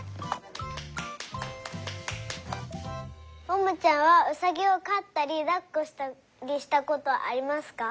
ももちゃんはうさぎをかったりだっこしたりしたことありますか？